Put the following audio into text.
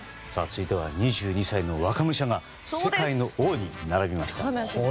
続いては２２歳の若武者が世界の王に並びました。